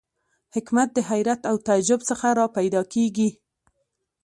حکمت د حیرت او تعجب څخه را پیدا کېږي.